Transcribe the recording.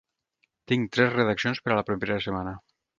Tinc tres redaccions per a la propera setmana.